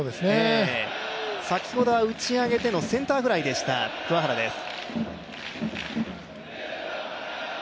先ほどは打ち上げてのセンターフライでした桑原です。